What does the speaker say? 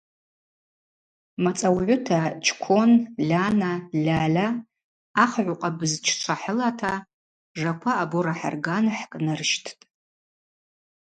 Мацӏаугӏвыта Чкон, Льана, Льальа – ахыгӏвкъвабызччва хӏылата Жаква абора хӏырган хӏкӏнырщттӏ.